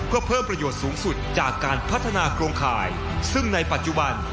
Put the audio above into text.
เพื่อเพิ่มประโยชน์สูงสุดจากการพัฒนาโครงข่ายซึ่งในปัจจุบัน